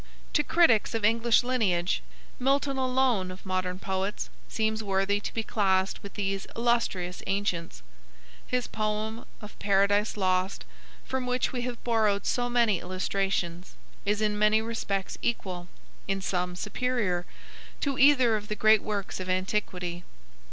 To critics of English lineage Milton alone of modern poets seems worthy to be classed with these illustrious ancients. His poem of "Paradise Lost," from which we have borrowed so many illustrations, is in many respects equal, in some superior, to either of the great works of antiquity.